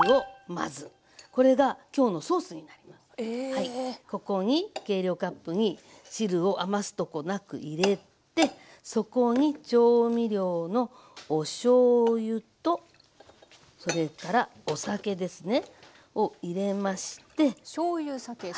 はいここに計量カップに汁を余すとこなく入れてそこに調味料のおしょうゆとそれからお酒ですね。を入れまして。